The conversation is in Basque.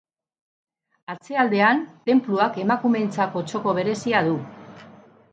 Atzealdean, tenpluak emakumeentzako txoko berezia du.